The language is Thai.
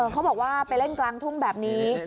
เขาบอกว่าไปเล่นกลางทุ่งแบบนี้